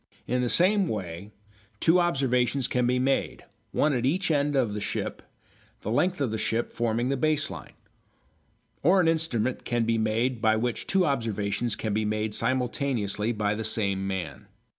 In the same way two observations can be made, one at each end of a ship, the length of the ship forming the base line. Or an instrument can be made by which two observations can be made simultaneously by the same man.